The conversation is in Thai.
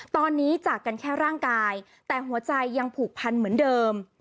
ตอนนี้จากกันแค่ร่างกายแต่หัวใจยังผูกพันเหมือนเดิม